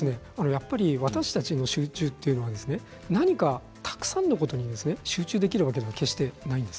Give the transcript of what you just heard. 私たちの集中は何かたくさんのことに集中できるわけでは決してないんです。